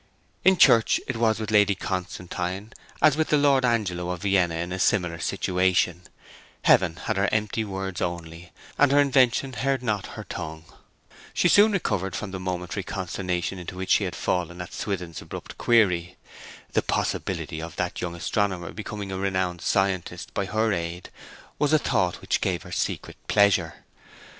In church it was with Lady Constantine as with the Lord Angelo of Vienna in a similar situation Heaven had her empty words only, and her invention heard not her tongue. She soon recovered from the momentary consternation into which she had fallen at Swithin's abrupt query. The possibility of that young astronomer becoming a renowned scientist by her aid was a thought which gave her secret pleasure.